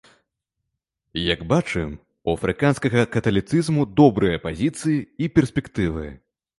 Як бачым, у афрыканскага каталіцызму добрыя пазіцыі і перспектывы.